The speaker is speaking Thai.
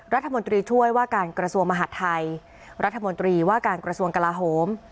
รัฐมนตรีช่วยว่าการกระทรวงมหาดไทยรัฐมนตรีว่าการกระทรวงกลาโหม